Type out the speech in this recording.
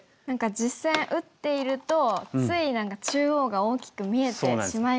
実戦打っているとつい何か中央が大きく見えてしまいがちですよね。